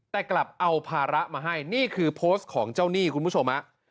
แต่กลับเอาภาระมาให้นี่คือโพสต์ของเจ้าหนี้คุณผู้ชมฮะ